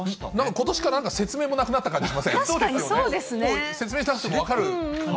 ことしから説明もなくなった感じしません？